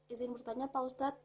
izin bertanya pak ustadz